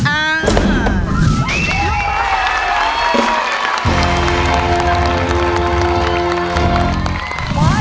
อ่าลูกไม้หลากสี